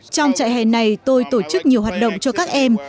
trong trại hè này tôi tổ chức nhiều hoạt động cho các em